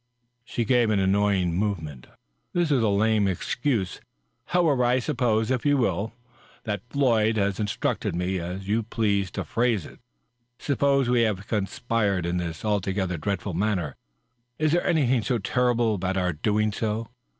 She gave an annoyed movement. " That is a lame enough excuse. .. However, suppose, if you will, that Floyd has instructed me, as you're pleased to phrase it. Suppose we have conspired in this alto gether dreadful matter. Is there anything so terrible about our doing so?